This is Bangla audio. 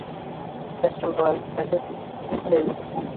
ক্যাস্টর অয়েল বেকড বুফুনের মতো, ম্যাম।